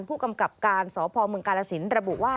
ผู้กำกับการสพเมืองกาลสินระบุว่า